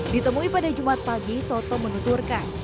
ditemui pada jumat pagi toto menuturkan